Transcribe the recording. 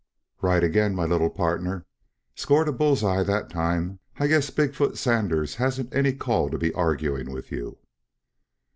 "Right again, my little pardner. Scored a bull's eye that time. I guess Big foot Sanders hasn't any call to be arguing with you."